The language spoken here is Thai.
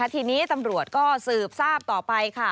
ทีนี้ตำรวจก็สืบทราบต่อไปค่ะ